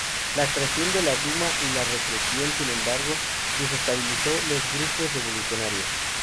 La creación de la Duma y la represión, sin embargo, desestabilizó los grupos revolucionarios.